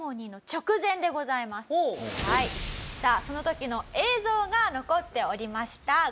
その時の映像が残っておりました。